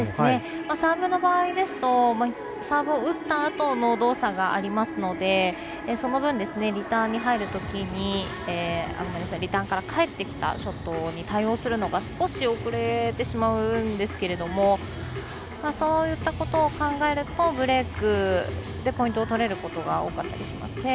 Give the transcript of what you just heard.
サーブの場合ですとサーブを打ったあとの動作がありますのでその分、リターンから返ってきたショットに対応するのが少し遅れてしまうんですがそういったことを考えるとブレークでポイントを取れることが多かったりしますね。